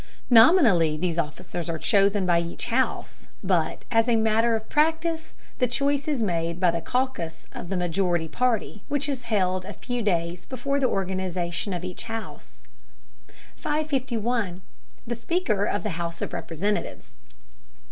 Nominally these officers are chosen by each house, but as a matter of practice the choice is made by the caucus of the majority party, which is held a few days before the organization of each house. 551. THE SPEAKER OF THE HOUSE OF REPRESENTATIVES.